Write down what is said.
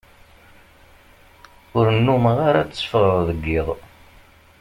Ur nnumeɣ ara tteffɣeɣ deg iḍ.